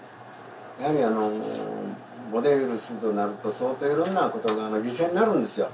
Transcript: やはりボディビルするとなると相当いろんなことが犠牲になるんですよ。